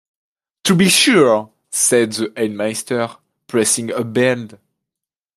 "To be sure," said the headmaster, pressing a bell.